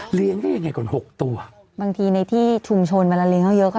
เหลียงกันยังไงก่อน๖ตัวบางทีในที่ชุมชนมาแล้วเลี้ยงเขาเยอะก็